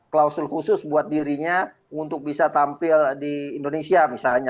klausul khusus buat dirinya untuk bisa tampil di indonesia misalnya